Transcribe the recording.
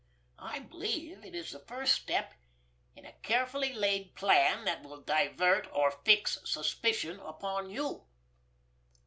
I believe it is the first step in a carefully laid plan that will divert, or fix, suspicion upon you."